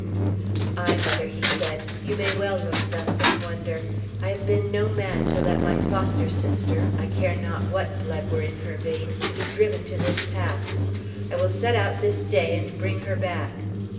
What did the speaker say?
"Ay, mother," he said, "you may well look thus in wonder; I have been no man, to let my foster sister, I care not what blood were in her veins, be driven to this pass! I will set out this day, and bring her back."